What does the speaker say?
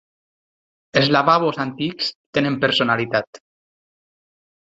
Els lavabos antics tenen personalitat.